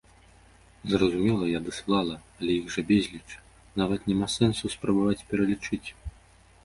Зразумела, я дасылала, але іх жа безліч, нават няма сэнсу, спрабаваць пералічыць!